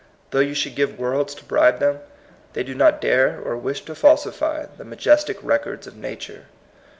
Though you should give worlds to bribe them, they do not dare or wish to falsify the majestic records of nature.